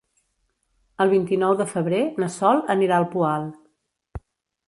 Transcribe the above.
El vint-i-nou de febrer na Sol anirà al Poal.